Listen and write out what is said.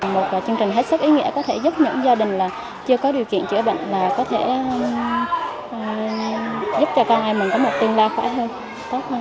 một chương trình hết sức ý nghĩa có thể giúp những gia đình chưa có điều kiện chữa bệnh là có thể giúp cho con em mình có một tương lai khỏe hơn tốt hơn